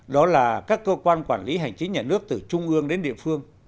đó là các cơ quan quản lý hành chính nhà nước từ trung ương đến địa phương